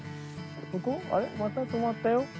また止まったよ。